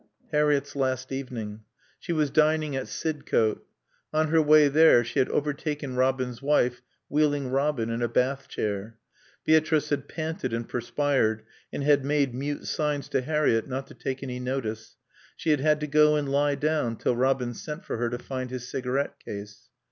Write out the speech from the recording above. Harriett's last evening. She was dining at Sidcote. On her way there she had overtaken Robin's wife wheeling Robin in a bath chair. Beatrice had panted and perspired and had made mute signs to Harriett not to take any notice. She had had to go and lie down till Robin sent for her to find his cigarette case.